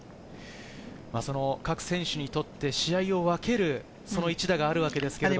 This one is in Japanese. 各選手にとって試合を分けるその一打があるわけですね。